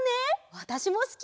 わたしもすき！